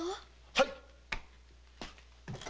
はい！